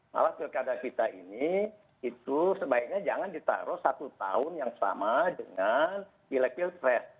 malah pilkada kita ini itu sebaiknya jangan ditaruh satu tahun yang sama dengan pilek pilpres